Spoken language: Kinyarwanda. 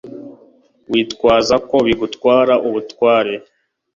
witwaza ko bigutwara ubutware